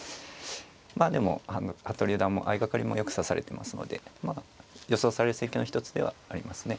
まあでも服部四段も相掛かりもよく指されてますので予想される戦型の一つではありますね。